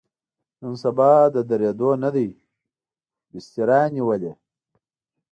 نن سبا د ودرېدو نه دی، بستره یې نیولې.